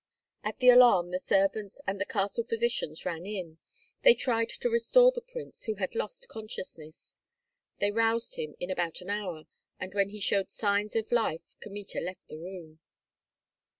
At the alarm the servants and the castle physicians ran in. They tried to restore the prince, who had lost consciousness. They roused him in about an hour; and when he showed signs of life Kmita left the room.